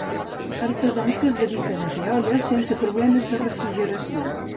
Artesans que es dediquen a fer olles sense problemes de refrigeració.